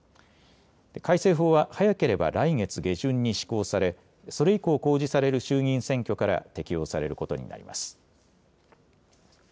改正法は早ければ来月下旬に施行され、それ以降公示される衆議院選挙から適用されることになります。